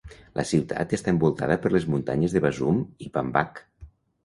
La ciutat està envoltada per les muntanyes de Bazum i Pambak.